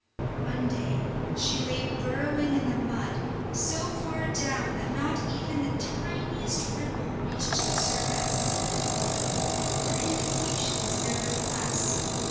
One day she lay burrowing in the mud, so far down that not even the tiniest ripple reached the surface. There were indications nevertheless.